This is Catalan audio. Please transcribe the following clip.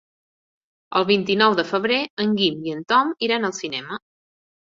El vint-i-nou de febrer en Guim i en Tom iran al cinema.